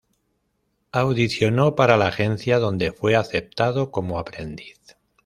Audicionó para la agencia donde fue aceptado como aprendiz.